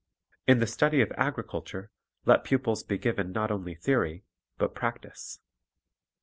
In the study of agriculture, let pupils be given not only theory, but practise.